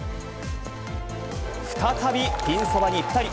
再びピンそばにピタリ。